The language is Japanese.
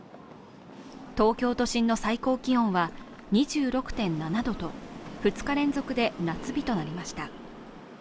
東京都心の最高気温は２６．７度と２日連続で夏日となりました。